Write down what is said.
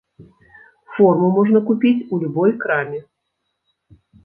Форму можна купіць у любой краме.